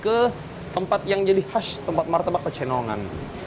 ke tempat yang jadi khas tempat martabak pecenongan